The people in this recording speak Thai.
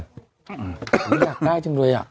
อยากได้จริงเลยอ่ะ